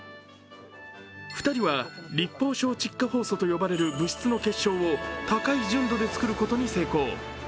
２人は六方晶窒化ホウ素と呼ばれる物質の結晶を高い純度で作ることに成功。